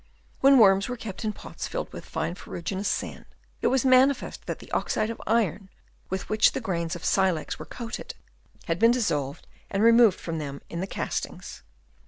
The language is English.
When worms were kept in pots filled with fine ferruginous sand, it was manifest that the oxide of iron, with which the grains of silex were coated, had been dissolved and removed from them in the castings.